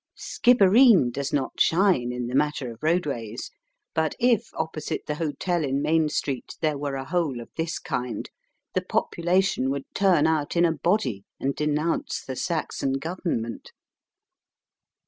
Skibbereen does not shine in the matter of roadways ; but if opposite the hotel in Main Street there were a hole of this kind, the population would turn out in a body and denounce the Saxon Government.